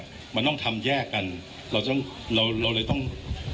คุณผู้ชมไปฟังผู้ว่ารัฐกาลจังหวัดเชียงรายแถลงตอนนี้ค่ะ